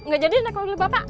gak jadi naik ke loil bapak